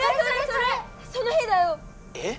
その日だよ！え？